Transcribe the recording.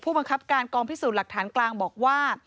บังคับการกองพิสูจน์หลักฐานกลางบอกว่า